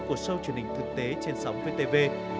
của show truyền hình thực tế trên sóng vtv